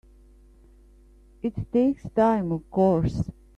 It takes time of course.